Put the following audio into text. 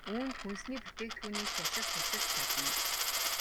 Үүнд хүнсний бүтээгдэхүүний шошго тусалж чадна.